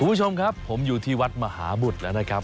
คุณผู้ชมครับผมอยู่ที่วัดมหาบุตรแล้วนะครับ